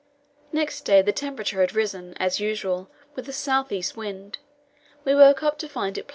Next day the temperature had risen, as usual, with a south east wind; we woke up to find it +15.